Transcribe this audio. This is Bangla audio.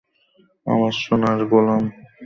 আমার সোনার গোলাম!